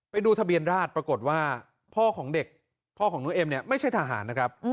ไปดูทะเบียนราชปรากฏว่าพ่อของเด็กพ่อของน้องเอ็มเนี่ยไม่ใช่ทหารนะครับ